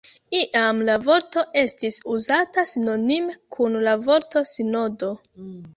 Iam la vorto estis uzata sinonime kun la vorto sinodo.